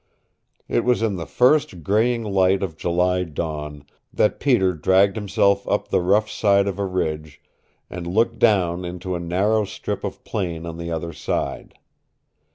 It was in the first graying light of July dawn that Peter dragged himself up the rough side of a ridge and looked down into a narrow strip of plain on the other side.